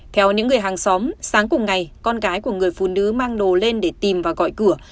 theo những người hàng xóm sáng cùng ngày con gái của người phụ nữ mang đồ lên để tìm và gọi cửa